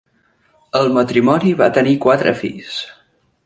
El matrimoni va tenir quatre fills: